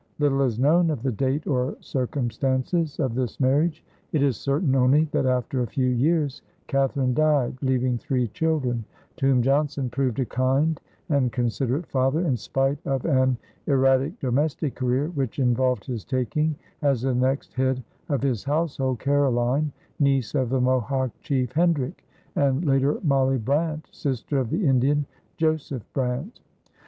Little is known of the date or circumstances of this marriage. It is certain only that after a few years Catherine died, leaving three children, to whom Johnson proved a kind and considerate father, in spite of an erratic domestic career which involved his taking as the next head of his household Caroline, niece of the Mohawk chief Hendrick, and later Molly Brant, sister of the Indian, Joseph Brant.